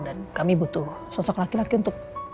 dan kami butuh sosok laki laki untuk